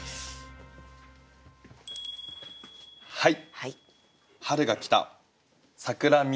はい。